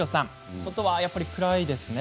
外は、やっぱり暗いですね。